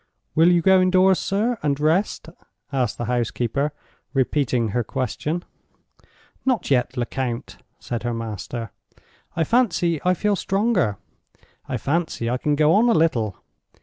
"Will you go indoors, sir, and rest?" asked the housekeeper, repeating her quest ion. "Not yet, Lecount," said her master. "I fancy I feel stronger; I fancy I can go on a little."